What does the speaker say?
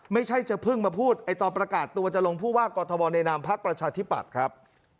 ไม่ใช่จะเพิ่งมาพูดตอนประกาศตัวจะลงผู้ว่ากอทมในนามพักประชาธิปัตย์ครับ